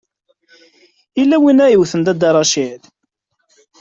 Yella win i yewten Dda Racid?